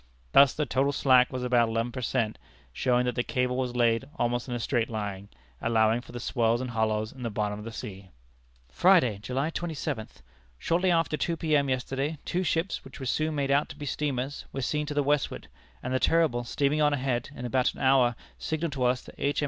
Thus the total slack was about eleven per cent, showing that the cable was laid almost in a straight line, allowing for the swells and hollows in the bottom of the sea. "Friday, July 27th. Shortly after two P.M., yesterday, two ships, which were soon made out to be steamers, were seen to the westward; and the Terrible, steaming on ahead, in about an hour signalled to us that H.